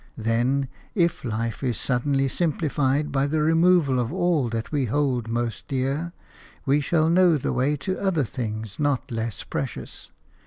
Then, if life is suddenly simplified by the removal of all that we hold most dear, we shall know the way to other things, not less precious.